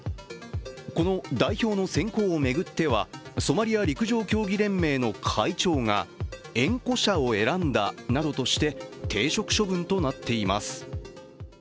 この代表の選考を巡ってはソマリア陸上競技連盟の会長が、縁故者を選んだなどとして停職処分となっています。